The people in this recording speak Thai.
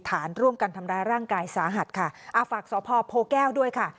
ฐานร่วมกันทำร้ายร่างกายสาหัสค่ะอ่าฝากสพโพแก้วด้วยค่ะ